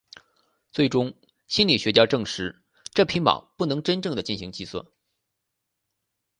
最终心理学家证实这匹马不能真正地进行计算。